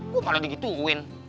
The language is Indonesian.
gue malah digituin